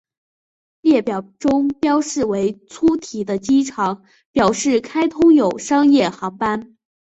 列表中标示为粗体的机场表示开通有商业航班。